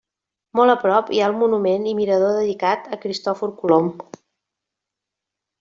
Molt a prop hi ha el monument i mirador dedicat a Cristòfor Colom.